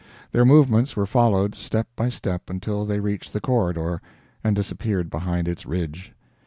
Their movements were followed, step by step, until they reached the "Corridor" and disappeared behind its ridge.